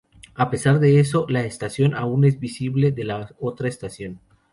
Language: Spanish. A pesar de eso, la estación aún es visible de la otra estación.